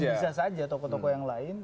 bisa saja toko toko yang lain